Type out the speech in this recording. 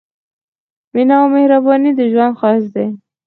مينه او مهرباني د ژوند ښايست دی